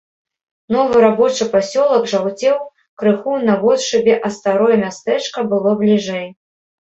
Новы рабочы пасёлак жаўцеў крыху наводшыбе, а старое мястэчка было бліжэй.